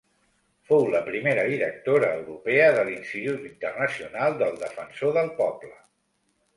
Fou la primera directora europea de l'Institut Internacional del Defensor del Poble.